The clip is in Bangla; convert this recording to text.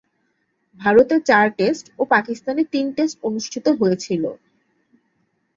ভারতে চার টেস্ট ও পাকিস্তানে তিন টেস্ট অনুষ্ঠিত হয়েছিল।